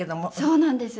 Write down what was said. そうなんです。